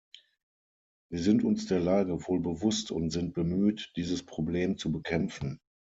Wir sind uns der Lage wohl bewusst und sind bemüht, dieses Problem zu bekämpfen.